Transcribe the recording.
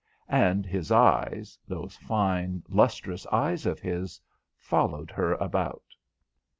And his eyes, those fine, lustrous eyes of his, followed her about.